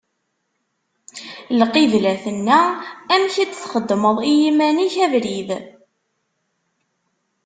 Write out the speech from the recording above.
Lqibla tenna: Amek i d-txedmeḍ i yiman-ik abrid!